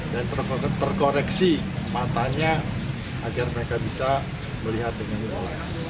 dan terkoreksi matanya agar mereka bisa melihat dengan jelas